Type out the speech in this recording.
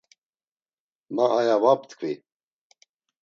Ma aya va ptkvi.